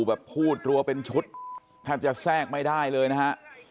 แบบพูดรัวเป็นชุดแทบจะแทรกไม่ได้เลยนะฮะ